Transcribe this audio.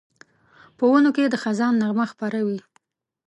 په ونو کې د خزان نغمه خپره وي